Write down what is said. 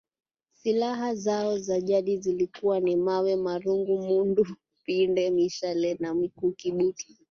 Silaha zao za jadi zilikuwa ni mawe marungu mundu pinde mishale na mikuki butu